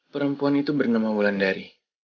perempuan itu bernama mulan dari